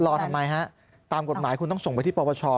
ทำไมฮะตามกฎหมายคุณต้องส่งไปที่ปปช